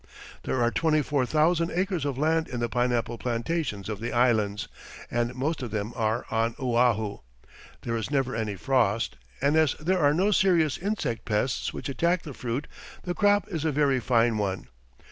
There are 24,000 acres of land in the pineapple plantations of the Islands, and most of them are on Oahu. There is never any frost, and as there are no serious insect pests which attack the fruit the crop is a very fine one.